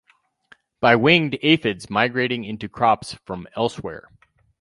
By winged aphids migrating into crops from elsewhere.